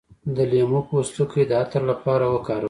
د لیمو پوستکی د عطر لپاره وکاروئ